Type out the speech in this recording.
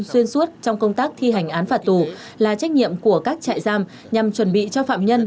xuyên suốt trong công tác thi hành án phạt tù là trách nhiệm của các trại giam nhằm chuẩn bị cho phạm nhân